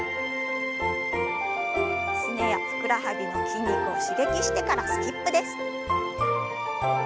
すねやふくらはぎの筋肉を刺激してからスキップです。